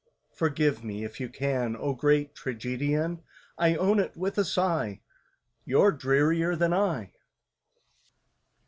"Forgive me, if you can, O great Tragedian! I own it with a sigh— You're drearier than I!"